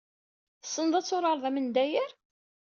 Tessneḍ ad turareḍ amendayer?